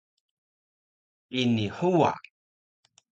Ini huwa